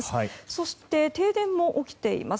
そして、停電も起きています。